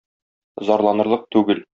Зарланырлык түгел.